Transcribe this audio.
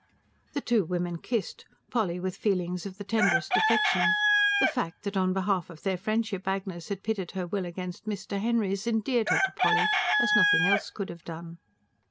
The two women kissed, Polly with feelings of the tenderest affection: the fact that, on behalf of their friendship, Agnes had pitted her will against Mr. Henry's, endeared her to Polly as nothing else could have done.